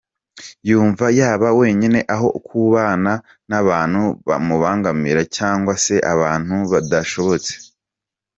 Yumva yaba wenyine aho kubana n’abantu bamubangamira cyangwa se abantu badashobotse.